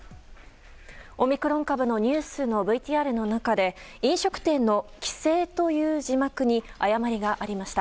オミクロン株のニュースのＶＴＲの中で飲食店の「きせい」という字幕に誤りがありました。